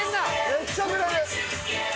めっちゃぬれる。